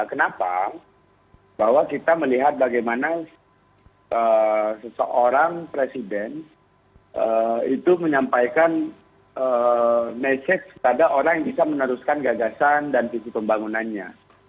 kenapa bahwa kita melihat bagaimana seseorang presiden itu menyampaikan message pada orang yang bisa meneruskan gagasan dan visi pembangunannya